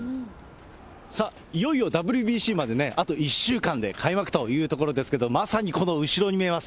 さあ、いよいよＷＢＣまであと１週間で開幕というところですけれども、まさにこの後ろに見えます